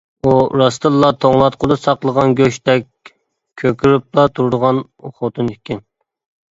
ئۇ راستتىنلا توڭلاتقۇدا ساقلىغان گۆشتەك كۆكىرىپلا تۇرىدىغان خوتۇن ئىكەن.